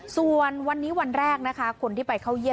ส่วนวันนี้วันแรกนะคะคนที่ไปเข้าเยี